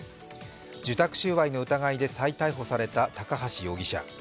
受託収賄の疑いで再逮捕された高橋容疑者。